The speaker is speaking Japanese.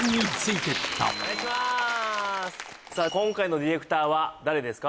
さあ今回のディレクターは誰ですか？